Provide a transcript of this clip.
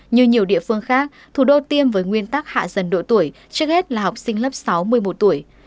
như nhiều địa phương khác thủ đô tiêm với nguyên tắc hạ dần độ tuổi trước hết là học sinh lớp sáu một mươi một tuổi